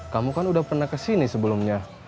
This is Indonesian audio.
kamu kan udah pernah kesini sebelumnya